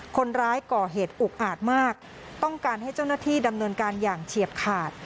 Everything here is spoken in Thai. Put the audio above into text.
คนร้ายก่อเหตุอุกอาจมากต้องการให้เจ้าหน้าที่ดำเนินการอย่างเฉียบขาด